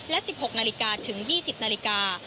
และ๑๖นาฬิกาถึง๒๐นาฬิกา